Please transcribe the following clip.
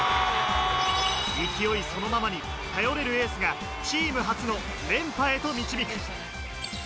勢いそのままに頼れるエースがチームを初の連覇へと導く。